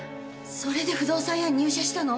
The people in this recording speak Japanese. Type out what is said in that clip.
それで不動産屋に入社したの？